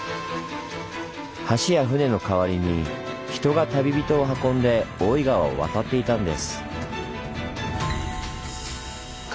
橋や舟の代わりに人が旅人を運んで大井川を渡っていたんです。